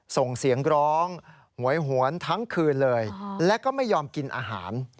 ส่งเสียงร้องหวยหวนทั้งคืนเลยแล้วก็ไม่ยอมกินอาหาร